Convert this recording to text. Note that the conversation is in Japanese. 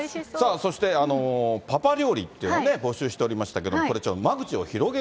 そして、パパ料理っていうのを募集しておりましたけども、こそうですね。